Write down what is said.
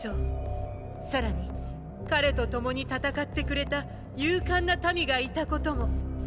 更に彼と共に戦ってくれた勇敢な民がいたことも。